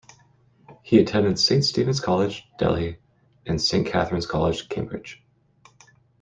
He attended Saint Stephen's College, Delhi, and Saint Catharine's College, Cambridge.